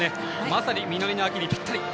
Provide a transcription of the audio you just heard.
まさに実りの秋にぴったり。